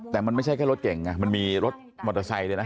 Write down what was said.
แต่มันไม่ใช่แค่รถเก่งไงมันมีรถมอเตอร์ไซค์เลยนะ